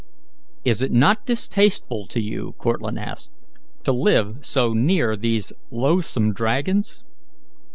"Is it not distasteful to you," Cortlandt asked, "to live so near these loathsome dragons?"